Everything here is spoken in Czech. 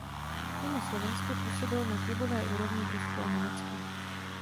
Mimo Slovensko působil na klubové úrovni v Rusku a Německu.